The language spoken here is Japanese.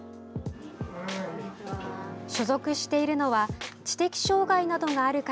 所属しているのは知的障害などがある方